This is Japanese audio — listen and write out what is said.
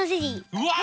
うわ！